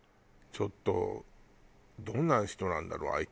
ちょっとどんな人なんだろう？